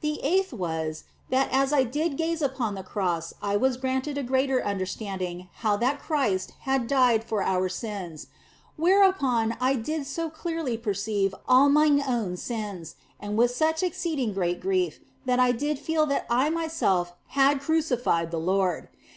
The eighth was, that as I did gaze upon the Cross I was granted a greater understanding how that Christ had died for our sins. Whereupon I did so clearly perceive all mine own sins, and with such exceeding great grief, that I did feel that I myself had crucified the Lord.